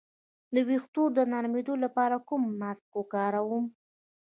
د ویښتو د نرمیدو لپاره کوم ماسک وکاروم؟